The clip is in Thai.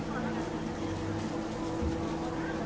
สวัสดีครับ